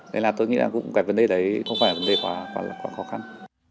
thế là tôi nghĩ là cũng cái vấn đề đấy không phải vấn đề quá khó khăn